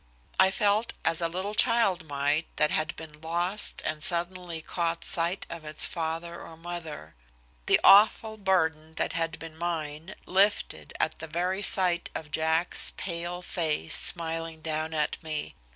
I felt as a little child might that had been lost and suddenly caught sight of its father or mother. The awful burden that had been mine lifted at the very sight of Jack's pale face smiling down at me.